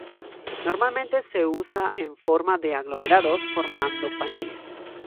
Normalmente se usa en forma de aglomerados, formando paneles.